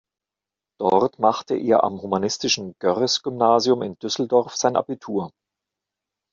Dort machte er am humanistischen Görres-Gymnasium in Düsseldorf sein Abitur.